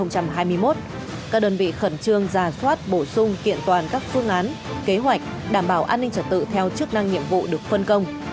các đơn vị khẩn trương ra soát bổ sung kiện toàn các phương án kế hoạch đảm bảo an ninh trật tự theo chức năng nhiệm vụ được phân công